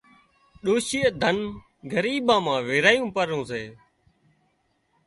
ڏوشيئي ڌنَ ڳريٻان مان ويرايون پرون سي